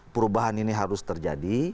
perubahan ini harus terjadi